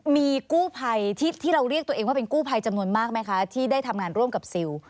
มีกู้ภัยที่เราเรียกตัวเองว่าเป็นกู้ภัยจำนวนมากไหมคะที่ได้ทำงานร่วมกับซิล